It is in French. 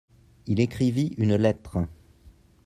Il écrivit une lettre.